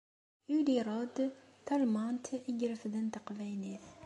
Uli Rohde, talmant i irefden Taqbaylit.